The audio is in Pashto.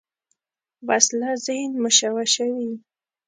وسله ذهن مشوشوي